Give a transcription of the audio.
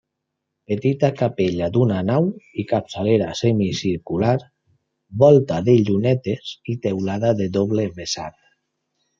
Petita capella d'una nau i capçalera semicircular, volta de llunetes i teulada de doble vessat.